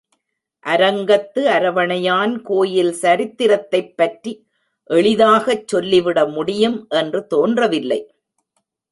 அரங்கத்து அரவணையான் கோயில் சரித்திரத்தைப்பற்றி எளிதாகச் சொல்லிவிட முடியும் என்று தோன்றவில்லை.